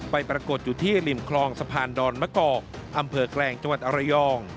ปรากฏอยู่ที่ริมคลองสะพานดอนมะกอกอำเภอแกลงจังหวัดอรยอง